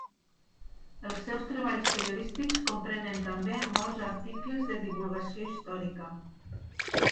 Els seus treballs periodístics comprenen també molts articles de divulgació històrica.